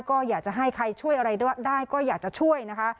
ก็อยากจะให้ใครช่วยอะไรได้ก็อยากจะช่วยนะคะ